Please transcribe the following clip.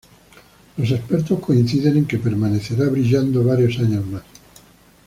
Los expertos coinciden en que permanecerá brillando varios años más.